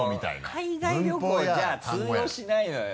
海外旅行じゃ通用しないのよ。